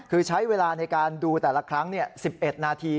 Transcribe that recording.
คือใช้เวลาในการดูแต่ละครั้ง๑๑นาที